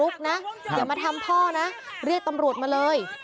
ตัวสาปเลยตัวสาปเลย